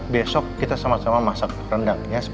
besok kita sama sama masak rendang